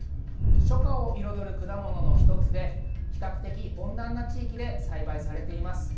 初夏を彩る果物の１つで比較的温暖な地域で栽培されています。